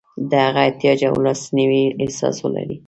د هغه احتیاج او لاسنیوي احساس ولري.